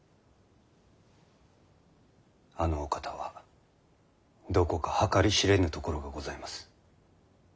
あのお方はどこか計り知れぬところがございます。